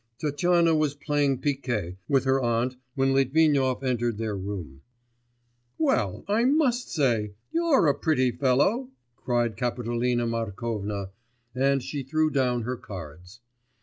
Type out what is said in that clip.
Tatyana was playing picquet with her aunt when Litvinov entered their room. 'Well, I must say, you're a pretty fellow!' cried Kapitolina Markovna, and she threw down her cards.